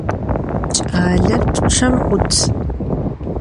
Кӏалэр пчъэм ӏут.